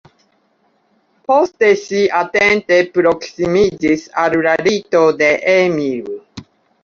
Poste ŝi atente proksimiĝis al la lito de Emil.